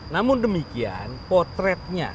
namun demikian potretnya